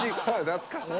懐かしい。